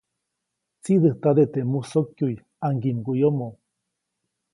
Tsiʼdäjtade teʼ musokyuʼy ʼaŋgiʼmguʼyomo.